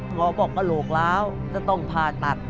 หมอบอกกระโหลกล้าวจะต้องผ่าตัด